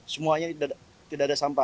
semuanya tidak ada sampah